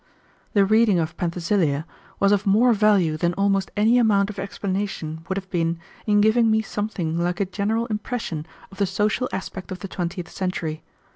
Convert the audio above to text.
The reading of "Penthesilia" was of more value than almost any amount of explanation would have been in giving me something like a general impression of the social aspect of the twentieth century.